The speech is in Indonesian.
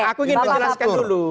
aku ingin menjelaskan dulu